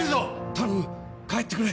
頼む帰ってくれ